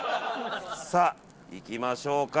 さあいきましょうか。